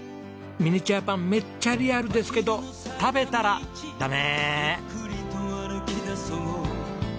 ミニチュアパンめっちゃリアルですけど食べたらダメ！